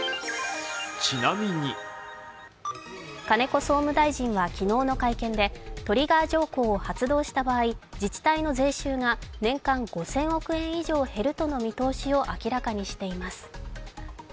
金子総務大臣は昨日の会見でトリガー条項を発動した場合自治体の税収が年間５０００億円以上減るとの見通しを明らかにしています。